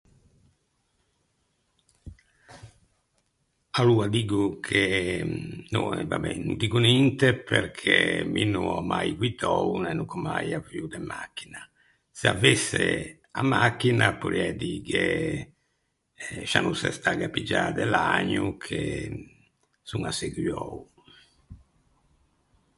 Aloa diggo che, no va ben, no diggo ninte perché mi no ò mai guiddou e no gh’ò mai avuo de machina. Se avesse a machina porriæ dîghe «Scià no se stagghe à piggiâ de lagno che son asseguou».